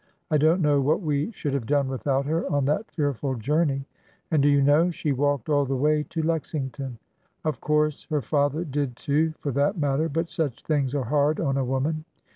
I don't know what we should have done without her on that fearful journey. And do you know, she walked all the way to Lexington ? Of course her father did, too, for that matter, but such things are hard on a woman.